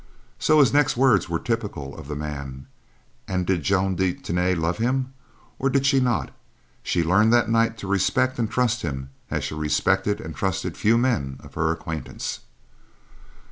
So his next words were typical of the man; and did Joan de Tany love him, or did she not, she learned that night to respect and trust him as she respected and trusted few men of her acquaintance.